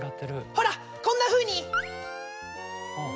ほらこんなふうに！